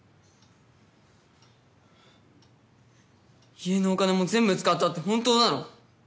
家のお金も全部使ったって本当なの？